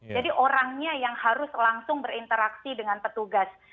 jadi orangnya yang harus langsung berinteraksi dengan petugas